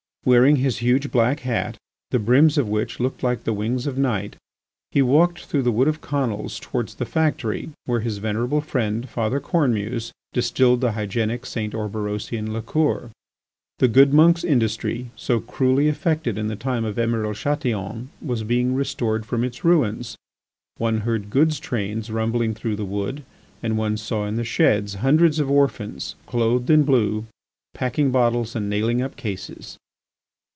Wearing his huge black hat, the brims of which looked like the wings of Night, he walked through the Wood of Conils towards the factory where his venerable friend, Father Cornemuse, distilled the hygienic St. Orberosian liqueur. The good monk's industry, so cruelly affected in the time of Emiral Chatillon, was being restored from its ruins. One heard goods trains rumbling through the Wood and one saw in the sheds hundreds of orphans clothed in blue, packing bottles and nailing up cases.